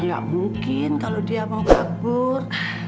nggak mungkin kalau dia mau kabur